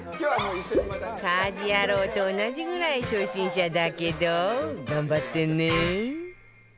家事ヤロウと同じぐらい初心者だけど頑張ってね